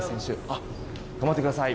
頑張ってください。